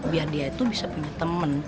biar dia tuh bisa punya temen